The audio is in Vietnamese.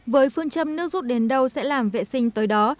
với phương châm nước rút đến đâu sẽ làm vệ sinh tới đó